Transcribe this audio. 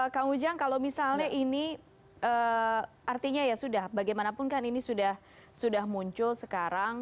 kang ujang kalau misalnya ini artinya ya sudah bagaimanapun kan ini sudah muncul sekarang